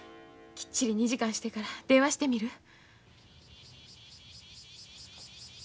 きっちり２時間してから電話してみる。